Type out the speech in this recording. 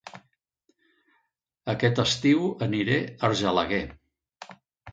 Aquest estiu aniré a Argelaguer